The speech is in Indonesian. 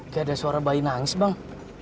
kayak ada suara bayi nangis bang